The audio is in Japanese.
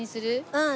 うん。